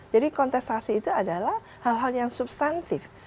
jadi kontestasi itu adalah hal hal yang substantif